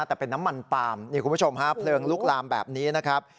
แต่เป็นน้ำมันปาล์มนี่คุณผู้ชมฮะเพลิงลุกลามแบบนี้นะครับ